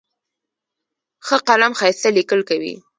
ښه قلم ښایسته لیکل کوي.